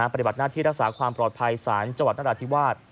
ปฏิบัติหน้าที่รักษาความปลอดภัยศาลจังหวัดนราธิวาส